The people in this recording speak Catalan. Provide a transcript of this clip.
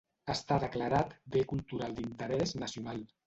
Està declarat Bé Cultural d'Interès Nacional.